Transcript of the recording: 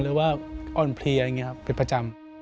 หรือว่าอ่อนเพลี่ยเป็นประจำ